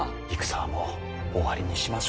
戦はもう終わりにしましょう。